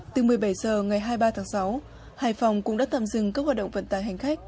từ một mươi bảy h ngày hai mươi ba tháng sáu hải phòng cũng đã tạm dừng các hoạt động vận tải hành khách